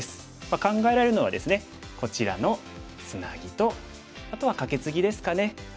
考えられるのはですねこちらのツナギとあとはカケツギですかね。